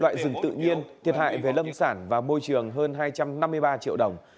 loại rừng tự nhiên thiệt hại về lâm sản và môi trường hơn hai trăm năm mươi ba triệu đồng